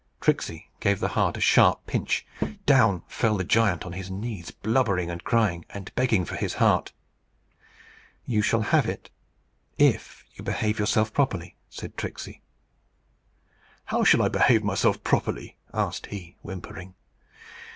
Tricksey gave the heart a sharp pinch. Down fell the giant on his knees, blubbering, and crying, and begging for his heart. "You shall have it, if you behave yourself properly," said Tricksey. "How shall I behave myself properly?" asked he, whimpering.